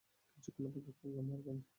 কিছুক্ষণ অপেক্ষা করলে মরবে না।